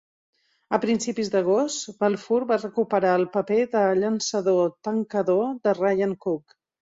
A principis d'agost, Balfour va recuperar el paper de llançador tancador de Ryan Cook.